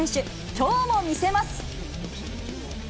きょうも見せます。